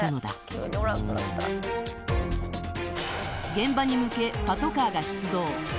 現場に向けパトカーが出動